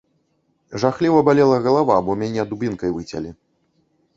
Жахліва балела галава, бо мне дубінкай выцялі.